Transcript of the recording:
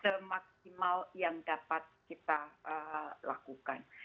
semaksimal yang dapat kita lakukan